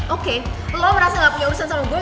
oke lo merasa gak punya urusan sama gue